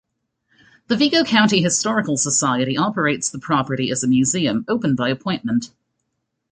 The Vigo County Historical Society operates the property as a museum, open by appointment.